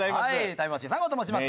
タイムマシーン３号と申します。